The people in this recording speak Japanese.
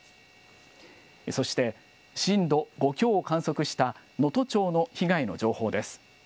そして、震度５強を観測した能登町の被害の情報です。